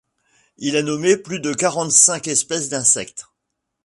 Il a nommé plus de quarante-cinq espèces d’insectes.